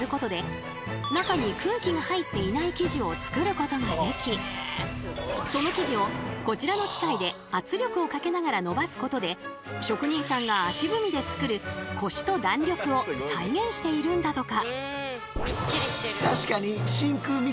このミキサーその生地をこちらの機械で圧力をかけながらのばすことで職人さんが足踏みで作るコシと弾力を再現しているんだとか。